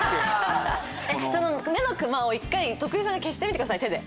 その目のクマを一回徳井さんが消してみてください手で。